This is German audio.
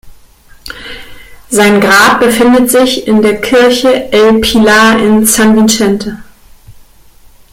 Sein Grab befindet sich in der Kirche El Pilar in San Vicente.